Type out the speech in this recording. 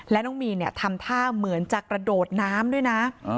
และน้องมีนทำท่าเหมือนจะกระโดดน้ำด้วยนะ